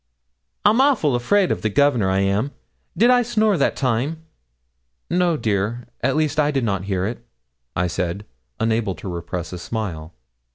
'I'm awful afraid of the Governor, I am. Did I snore that time?' 'No, dear; at least, I did not hear it,' I said, unable to repress a smile.